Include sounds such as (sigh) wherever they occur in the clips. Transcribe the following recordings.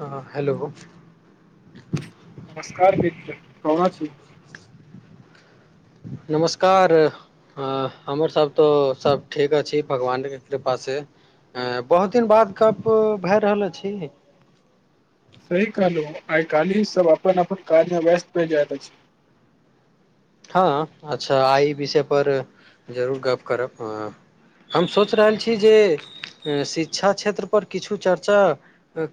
हँ हेलो नमस्कार मित्र कोना छी। नमस्कार हँ हमर सभ तो सभ ठीक अछि भगवानके कृपा से से बहुत दिन बाद गप भए रहल अछि। सह कहलहु आइ काली सब अपन अपन काजमे व्यस्त भेल जाय अछि। हँ अच्छा आइ विषयपर जरूर गप्प करब, हम सोचि रहल छी जे शिक्षा क्षेत्रपर किछु चर्चा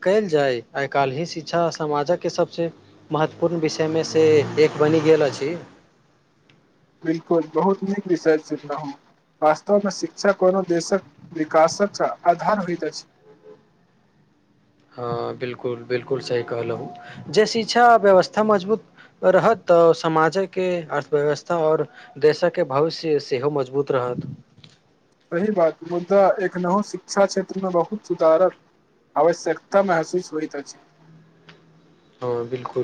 कयल जाय, आइ काल्हि ही शिक्षा समाजके सभसँ महत्वपूर्ण विषयमे से एक बनि गेल अछि। बिलकुल बहुत नीक विषय चुनलहो, वास्तवमे शिक्षा कोनो देशक विकासक आधार होत अछि। बिलकुल बिलकुल सही कहलहुँ जे शिक्षा व्यवस्था मजबूत रहत तऽ समाजके अर्थव्यवस्था और देशके भविष्य सेहो मजबूत रहत। सही बात मुदा एखनहु शिक्षा क्षेत्रमे बहुत सुधारक आवश्यकता महसूस होइत अछि। हँ बिलकुल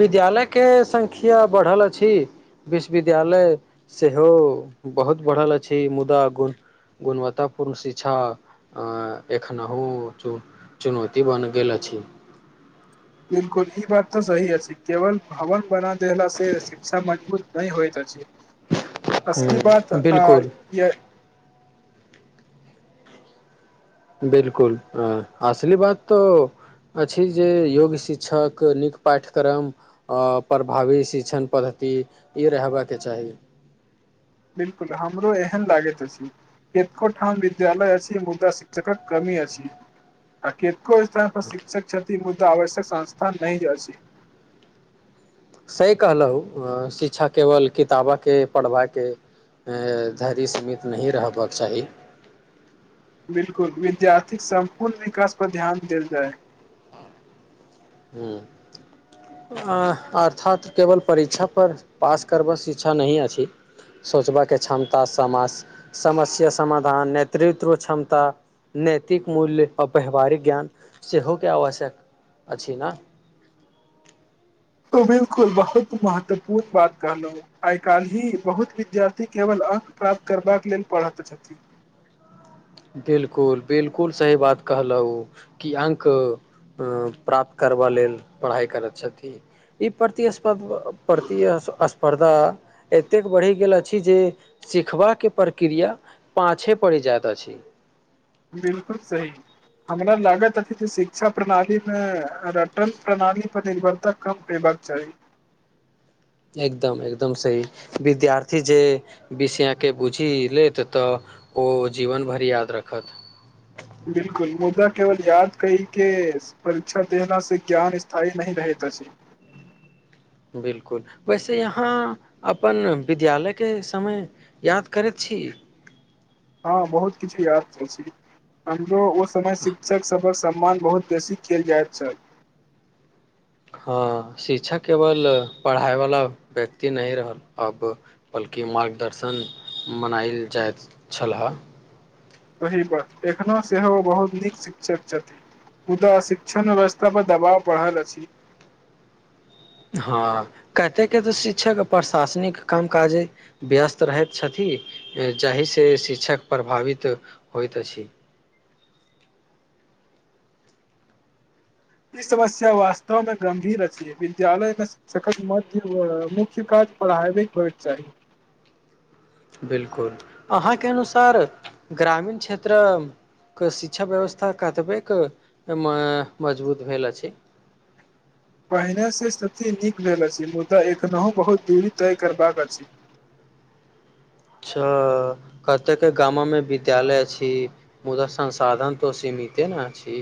विद्यालयके संख्या बढ़ल अछि, विश्वविद्यालय सेहो बहुत बढ़ल अछि मुदा गुण गुणवत्तापूर्ण शिक्षा एखनहु चु चुनौती बनि गेल अछि। बिल्कुल ई बात तऽ सही अछि केवल भवन बना देला से शिक्षा मजबूत नहि होइत अछि। असल बात हूँ आ बिल्कुल ये बिलकुल आ असली बात तो अछि जे योग्य शिक्षक नीक पाठ्यक्रम आ प्रभावी शिक्षण पद्धति इ रहबा के चाही। बिलकुल हमरो एहन लागैत अछि एकोठाम विद्यालय अछि मुदा शिक्षकक कमी अछि आ के कई तरह का शिक्षक छ ती मुद्दा आवश्यक संस्था नै अछि। सही कहलौ अ शिक्षा केवल किताबा के पढ़बाके ए धैरि सीमित नहि रहबाक चाही। बिलकुल विद्यार्थीक सम्पूर्ण विकास पर ध्यान देल जाय। हूँ अं अर्थात केवल परीक्षा पर पास करब शिक्षा नहि अछि सोचबाके क्षमता समाज समस्या समाधान नेतृत्व क्षमता नैतिक मूल्य आ व्यवहारिक ज्ञान सेहोके आवश्यक अछि ना तो बिल्कुल बहुत महत्वपूर्ण बात कहलौ आय काल्हि बहुत विद्यार्थी केवल अंक प्राप्त करबाक लेल पढ़त छथि। बिलकुल बिलकुल सही बात कहलौ कि अंक अ प्राप्त करबा लेल पढ़ाइ करैत छथि, ई प्रति (unintelligible) प्रति अस अस्पर्धा एतेक बढ़ि गेल अछि जे सिखबा के प्रक्रिया पाछे पड़ जाएत अछि। बिलकुल सही हमरा लागत अछि जे शिक्षा प्रणालीमे रटन प्रणाली पर निर्भरता कम देबाक चाही। एकदम-एकदम सही विद्यार्थी जे विषयके बुझि लेत तऽ ओ जीवन भर याद रखत। बिलकुल मुदा केवल याद कई के परीक्षा देला से ज्ञान स्थायी नहि रहत अछि। बिलकुल वैसे यहाँ अपन विद्यालयके समय याद करैत छी। हाँ बहुत किछु याद अछि हमरो समय शिक्षक सबक स मान बहुत बेसी केल जाएत छल। हँ, शिक्षक केवल पढ़ाइवला व्यक्ति नहि रहल अब, बल्कि मार्गदर्शन मनायल जाइत छलह। सही बात एखनहुँ सेहो ओ बहुत नीक शिक्षक छथि मुदा शिक्षण व्यवस्था पर दबाव बढ़ल अछि। हँ कतेके तऽ शिच्छक प्रशासनिक काम काजे व्यस्त रहैत छथी। जाहिसे शिच्छक प्रभावित होइत अछी। ई समस्या वास्तवमे गम्भीर अछी। विद्यालय प्लस सकर मध्य बर मुख्य कार्य पढाईबेक होइक चाही। बिलकुल, अहाँके अनुसार ग्रामीण क्षेत्रऽ कशिक्षा व्यवस्था, कतबेक एम्मे मजबूत भेल अछि? पहिने स स्थिति नीक भेल अछि मुदा एखनहुँ बहुत दूरी तय करबाक अछि। अच्छ कतेक गामोमे विद्यालय अछि मुदा संसाधन तो सीमिते ने अछि।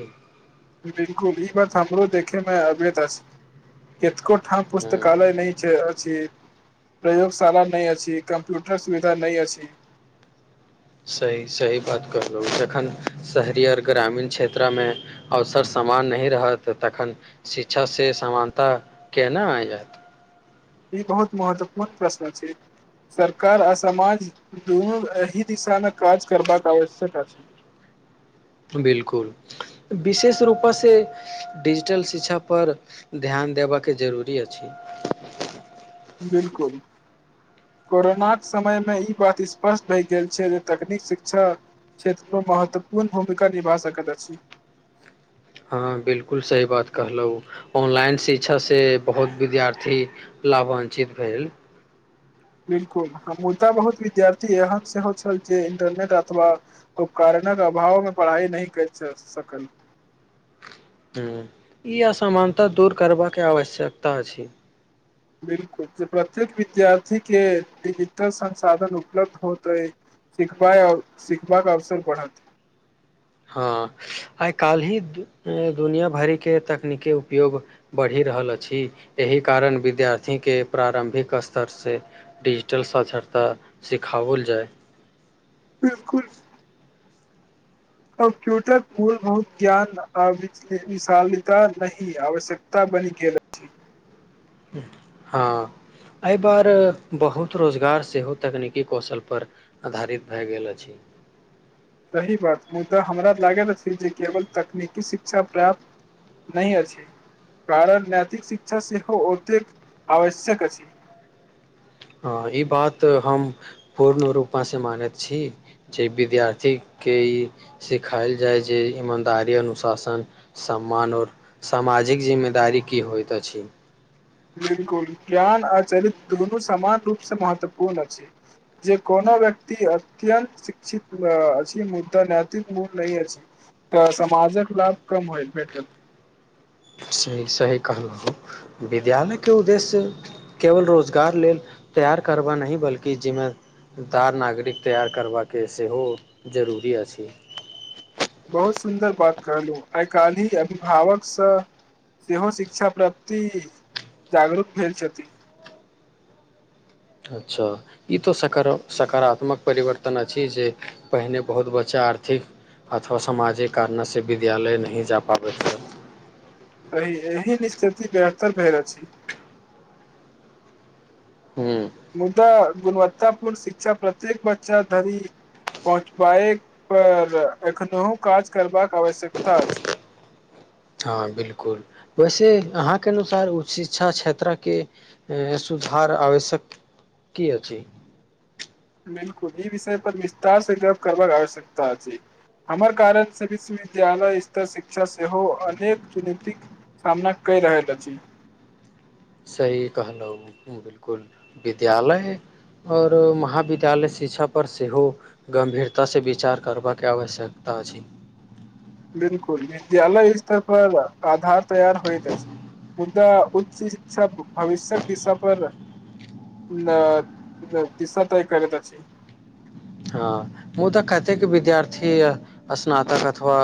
बिलकुल ई बात हमरो देखे मे अबैत अछ। केतको हँ हूँ पुस्तकालय नै छै अछी। प्रयोगशाला नहि अछि, कम्प्यूटर सुविधा नहि अछि। सही-सही बात कहलहुँ। जखन शहरी अर ग्रामीण क्षेत्रा मे अवसर समान नहिँ रहत, तखन शिच्छा से समानता केना आयत? ई बहुत महत्वपूर्ण प्रश्न अछि। सरकार आ समाज दुनू अही दिशामे काज करबाक आवश्यक अछि। बिलकुल विशेष रूप से डिजिटल शिक्षा पर ध्यान देबऽके जरूरी अछि। बिलकुल, कोरोनाक समयमे ई बात स्पष्ट भए गेल छै। जे तकनीक शिक्षा क्षेत्रमे महत्वपूर्ण भूमिका निभा सकैत अछि। हँ बिलकुल सही बात कहलहुँ ऑनलाइन शिक्षा से बहुत विद्यार्थी लावान्चित भेल। बिलकुल ह मुदा बहुत विद्यार्थी एहन सेहो छल जे इन्टरनेट अथवा उपकरणक अभावमे पढ़ाइ नहि करि सकल। हूँ, ई असमानता दूर करबाके आवश्यकता अछि। बिलकुल जे प्रत्येक विद्यार्थी के डिजिटल संसाधन उपलब्ध होतै, सिखबाय और सिखबाक अवसर बढ़त। हँ आइ काल्हि उ दुनिया भरिके तकनीकी उपयोग बढ़ि रहल अछि एहि कारण विद्यार्थीके प्रारम्भिक स्तर से डिजिटल साक्षरता सिखाओल जाय। बिल्कुल। कम्प्यूटर मूलभहुत ज्ञान आ बिचली विशालिता नहीँ आवश्यकता बनि गेल अछि। हँ, ऐ पर बहुत रोजगार सेहो तकनीकी कौशलपर अधारित भए गेल अछि। सही बात मुद्दा हमरा लागैत अछि जे केवल तकनीकी शिक्षा प्राप्त नहि अछि। कारण नैतिक शिक्षा सेहो ओतेक आवश्यक अछि। हँ ई बात हम पूर्ण रूपे सँ मानैत छी जे विद्यार्थीके ई सिखायल जाय जे ईमानदारी अनुशासन सम्मान आओर सामाजिक जिम्मेदारी की होइत अछि। बिल्कुल ज्ञान आ चरित्र दुनू समान रूप स महत्वपूर्ण अछि। जे कोनो व्यक्ति अत्यन्त शिक्षित अऽअछि मुदा नैतिक मूल नहि अछि तऽ समाजक लाभ कम होय भेटत। सही सही कहलहुँ, विद्यालयके उद्देश्य केवल रोजगार लेल तैयार करबा नहिँ, बल्कि जिम्मे दार नागरिक तैयार करबाके सेहो जरूरी अछी। बहुत सुन्दर बात कहलहुँ आइ काल्हि अभिभावक स सेहो शिक्षा प्राप्ति जागरूक भेल छथि। अच्छ ई त सकारा सकारात्मक परिवर्तन अछि जे पहिने बहुत बच्चा आर्थिक अथवा सामाजिक कारण सँ विद्यालय नहि जा पाबैत रहय। अही-अहीअहीमे स्थिति बेहतर भेल अछी। हूँ मुदा गुणव तब पूर्ण शिक्षा प्रत्येक बच्चा धरि पहुँचबाए पर एखनोहु काज करबाक। आवश्यकता अछि। हँ बिलकुल वैसे अहाँके अनुसार उच्च शिक्षा क्षेत्र के सुधार आवश्यक की अछि। बिल्कुल ई विषय पर विस्तार से गप करबाक आवश्यकता अछि, हमर कारण से विश्वविद्यालय स्तर शिक्षा सेहो अनेक चुनौतिक सामना कए रहल अछि। सही कहलौ बिल्कुल विद्यालय और महाविद्यालय शिक्षा पर सेहो गम्भीरता से विचार करबा के आवश्यकता अछि। बिल्कुल विद्यालय स्तर पर आधार तैयार होएत अछि, मुद्दा उच्च शिक्षा भविष्यक दिशा पर ना अ दिशा तय करैत अछि। हां मुदाऽ कतेक विद्यार्थी स्नातक अथवा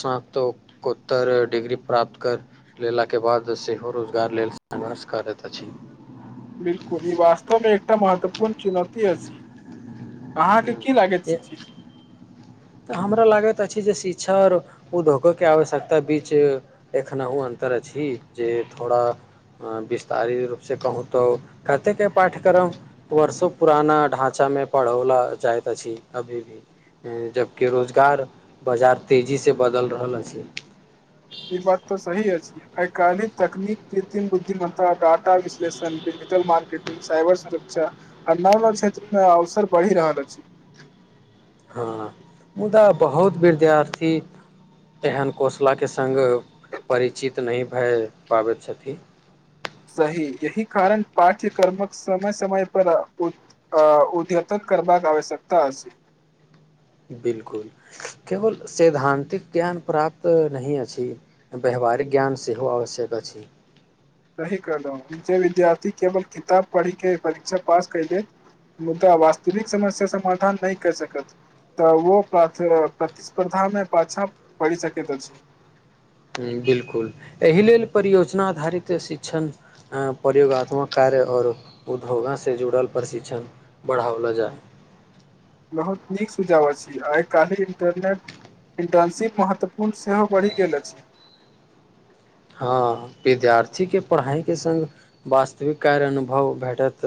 स्नातोकोत्तर डिग्री प्राप्त कर लेलाके बाद सेहो रोजगार लेल संघर्ष करैत अछि। बिल्कुल ई वास्तवमे एकटा महत्वपूर्ण चुनौती अछि। अहाँके की लागैत ए- छ छी। तऽ हमरा लागैत अछि जे शिक्षा और उद्योगोके आवश्यकता बीच एखनहु अन्तर अछि जे थोड़ा अ विस्तारित रूप से कहूँ त कतेके पाठ्यक्रम वर्षो पुराना ढाँचामे पढ़ौला जायत अछि अभी भी ए जब की रोजगार बजार तेजी से बदल रहल अछि। आय कालिक तकनीक कृत्रिम बुद्धिमत्ता डाटा विश्लेषण डिजिटल मार्केटिंग साइबर सुरक्षा आ नव (unintelligible) क्षेत्रमे अवसर बढ़ि रहल अछि। हां मुदा बहुत विद्यार्थी एहन कौसलाके संग परिचित नै भाए पाबैत छथिन। सही यही कारण पाठ्यकर्मक समय-समय पर उद्य अ उद्यतक करबाक आवश्यकता अछि। बिल्कुल केवल सैद्धान्तिक ज्ञान प्राप्त नही अछि व्यवहारिक ज्ञान सेहो आवश्यक अछि। सही कहलौ जे विद्यार्थी केवल किताब पढ़ि के परीक्षा पास कयलै, मुद्दा वास्तविक समस्या समाधान नै कर सकत तऽ उहो प्राथ अ प्रतिस्पर्धा मे पाछा पड़ी सकैत अछि। हुं बिल्कुल एहि लेल परियोजना आधारित शिक्षण ए प्रयोगात्मक कार्य और उधोगा से जुड़ल प्रशिक्षण बढ़ावला जाय बहुत नीक सुझाव अछि आय काल्हि इन्टरनेट इन्टर्नशिप महत्वपूर्ण सेहो बढ़ि गेल अछि। हां विद्यार्थीके पढ़ाई के संग वास्तविक कार्य अनुभव भेटत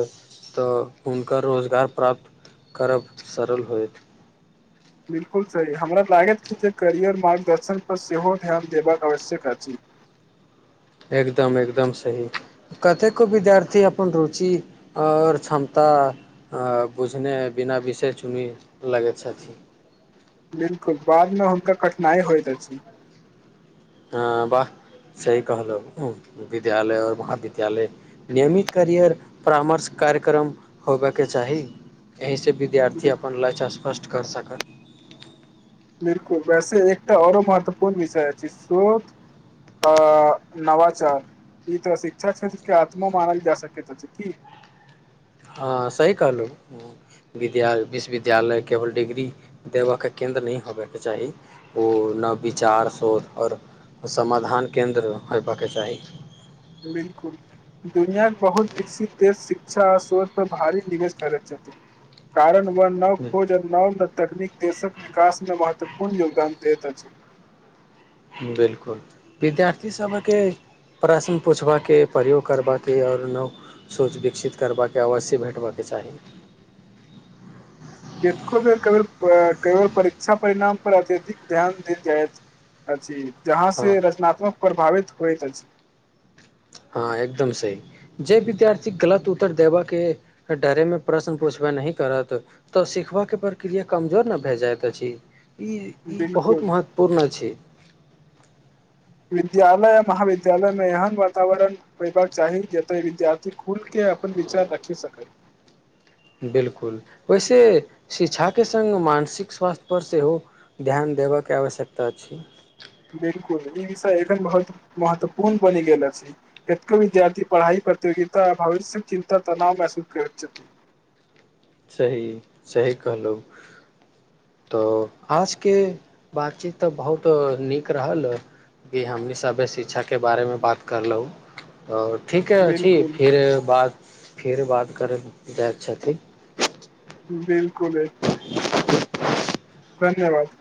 तऽ हुनकर रोजगार प्राप्त करब सरल होएत। बिल्कुल सही हमरा लागैत छै जे करियर मार्गदर्शन पर सेहो ध्यान देबाक आवश्यक अछि। एकदम-एकदम सही कतेको विद्यार्थी अपन रुचि और क्षमता अ बुझने बिना विषय चुनी लगैत छथि। बिल्कुल बादमे हुनका कठिनाई होएत अछि। हां वाह सही कहलौ ऊह विद्यालय और महाविद्यालय नियमित करियर परामर्श कार्यक्रम होबय के चाही, एहि से जे विद्यार्थी अपन लचा फर्स्ट कर सकै। बिल्कुल वैसे एकटा औरो महत्वपूर्ण विषय अछि शोध अ नवाचार ई तऽ शिक्षा क्षेत्र के आत्मा मानल जा सकैत अछि की हां सही कहलौ विद्या विश्वविद्यालय केवल डिग्री देबा के केन्द्र नै होयबय के चाही ओ नव विचार शोध और समाधान केन्द्र होयबा के चाही। बिल्कुल दुनियाक बहुत विकसित देश शिक्षा आ सोच पर भारी निवेश करैत छथी कारण व नव खोज अ नव तकनीक देशक विकास मे महत्वपूर्ण योगदान देत अछि। बिल्कुल विद्यार्थी सभके प्रश्न पूछबाके प्रयोग करबाके और नव सोच विकसित करबाके अवश्य भेटबा के चाही। केतको बेर कभी प्रा केवल परीक्षा परिणाम पर अत्यधिक ध्यान देल जाएत अछि। जहाँ हँ से रचनात्मक प्रभावित होइत अछि। हां एकदम सही जे विद्यार्थी गलत उत्तर देबा के डरे मे प्रश्न पूछबे नहि करत तऽ सिखबा के प्रक्रिया कमजोर नै भए जाएत अछि। इ इ बहुत बिलकुल महत्वपूर्ण अछि। विद्यालय अ महाविद्यालयमे एहन वातावरण होयबा के चाही जते विद्यार्थी खुलके अपन विचार रखि सकै। बिल्कुल ओय से शिक्षा के संग मानसिक स्वास्थ्य पर सेहो ध्यान देबय के आवश्यकता छै। बिल्कुल ई विषय एखन बहुत महत्वपूर्ण बनि गेल अछि केतको विद्यार्थी पढ़ाइ प्रतियोगिता आ भविष्य चिन्ता तनाव महसूस करैत छथि। सही सही कहलौ तऽ आजके बातचीत तऽ बहुत नीक रहल कि हमनी सभे शिक्षाके बारेमे बात करलौ। और ठीके अछि बिलकुल फिर बात फेर बात करैल जाइत छथि। बिल्कुल ए धन्यवाद।